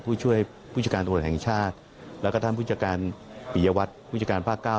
ผู้ช่วยผู้ชการโธนแห่งชาติแล้วแต่ทำผู้ชายการหมารถผู้ชายการพราตเก้า